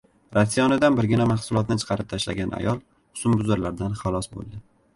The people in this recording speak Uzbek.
Ratsionidan birgina mahsulotni chiqarib tashlagan ayol husnbuzarlardan xalos bo‘ldi